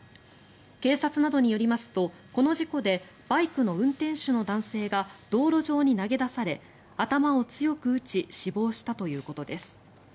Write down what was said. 警察などによりますとこの事故でバイクの運転手の男性が道路上に投げ出され頭を強く打ち死亡したということです。